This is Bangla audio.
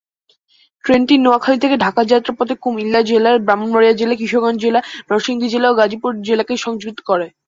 ট্রেনটি নোয়াখালী থেকে ঢাকা যাত্রাপথে কুমিল্লা জেলা, ব্রাহ্মণবাড়িয়া জেলা, কিশোরগঞ্জ জেলা, নরসিংদী জেলা ও গাজীপুর জেলাকে সংযুক্ত করে।